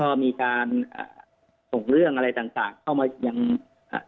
ก็มีการอ่าส่งเรื่องอะไรต่างต่างเข้ามายังอ่า